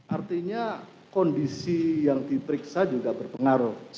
artinya kondisi yang diperiksa juga berpengaruh